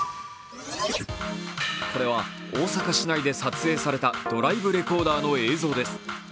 これは大阪市内で撮影されたドライブレコーダーの映像です。